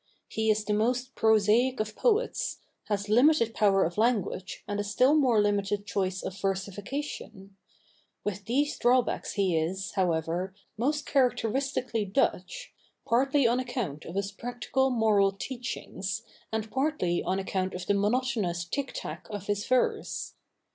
He is the most prosaic of poets, has limited power of language and a still more limited choice of versification; with these drawbacks he is, however, most characteristically Dutch, partly on account of his practical moral teachings and partly on account of the monotonous tic tac of his verse.